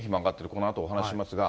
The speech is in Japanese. このあとお話しますが。